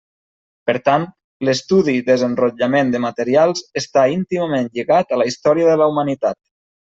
Per tant, l'estudi i desenrotllament de materials està íntimament lligat a la història de la humanitat.